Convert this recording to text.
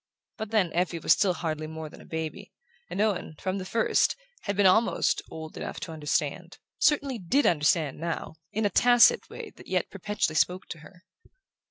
But then Effie was still hardly more than a baby, and Owen, from the first, had been almost "old enough to understand": certainly DID understand now, in a tacit way that yet perpetually spoke to her.